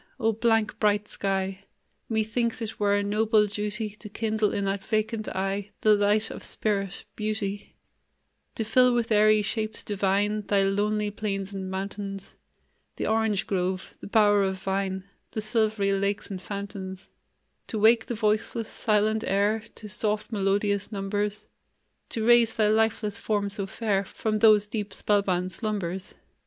O blank, bright sky! Methinks it were a noble duty To kindle in that vacant eye The light of spirit beauty To fill with airy shapes divine Thy lonely plains and mountains, The orange grove, the bower of vine, The silvery lakes and fountains; To wake the voiceless, silent air To soft, melodious numbers; To raise thy lifeless form so fair From those deep, spell bound slumbers.